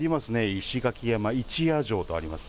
石垣山一夜城とあります。